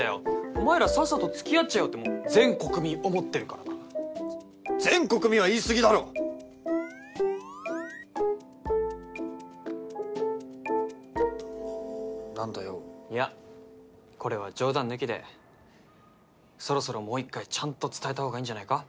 お前らさっさとつきあっちゃえよって全国民思ってるからな全国民は言いすぎだろなんだよいやこれは冗談抜きでそろそろもう一回ちゃんと伝えたほうがいいんじゃないか？